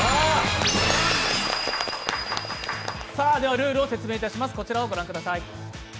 ルールをご説明します。